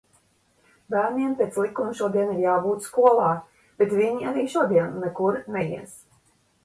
Bērniem pēc likuma šodien ir jābūt skolā, bet viņi arī šodien nekur neies.